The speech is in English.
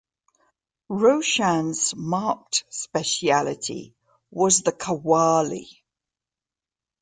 Roshan's marked speciality was the Qawwali.